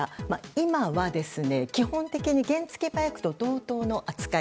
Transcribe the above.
今は基本的に原付きバイクと同等の扱い。